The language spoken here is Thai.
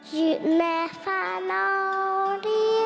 อยู่แม่ฝ่าหนาวดี